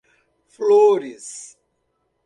Flores